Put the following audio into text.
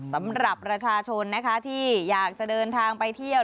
สำหรับประชาชนนะคะที่อยากจะเดินทางไปเที่ยว